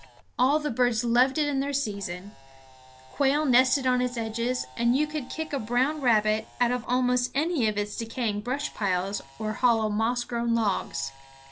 All the birds loved it in their season; quail nested on its edges; and you could kick a brown rabbit out of almost any of its decaying brush piles or hollow moss grown logs.